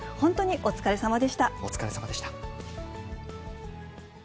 お疲れさまでした。